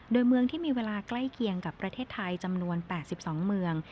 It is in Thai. โดยเมืองที่มีเวลาใกล้เคียงกับประเทศไทยจำนวน๘๒เมือง